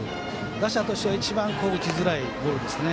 打者としては一番打ちづらいボールですね。